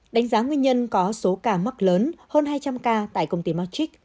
đánh giá nguyên nhân có số ca mắc lớn hơn hai trăm linh ca tại công ty matrix